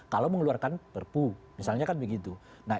kalau mengeluarkan perpu misalnya kan begitu